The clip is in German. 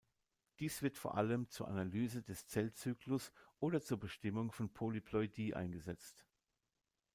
Dies wird vor allem zur Analyse des Zellzyklus oder zur Bestimmung von Polyploidie eingesetzt.